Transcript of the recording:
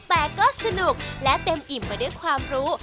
แต่ก็สนุกและเต็มอิ่มไปด้วยความรู้